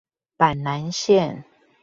板南線